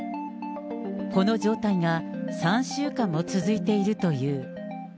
この状態が３週間も続いているという。